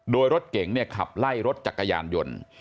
โดยรถเก๋งขับไล่รถจักรยานยนต์